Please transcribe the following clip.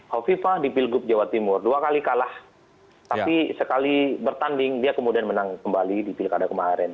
hovifa di pilgub jawa timur dua kali kalah tapi sekali bertanding dia kemudian menang kembali di pilkada kemarin